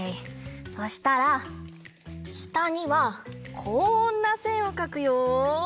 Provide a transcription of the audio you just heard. そしたらしたにはこんなせんをかくよ！